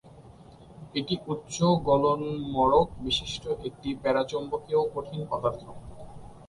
এটি উচ্চ গলনম্বরক বিশিষ্ট একটি প্যারাচৌম্বকীয় কঠিন পদার্থ।